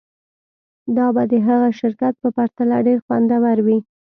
دا به د هغه شرکت په پرتله ډیر خوندور وي